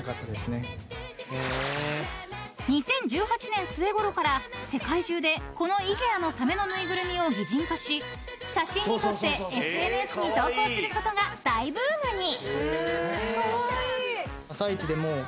［２０１８年末ごろから世界中でこのイケアのサメの縫いぐるみを擬人化し写真に撮ってＳＮＳに投稿することが大ブームに］